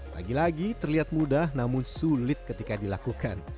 lagi lagi terlihat mudah namun sulit ketika dilakukan